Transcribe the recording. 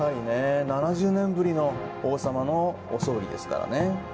７０年ぶりの王様のお葬儀ですからね。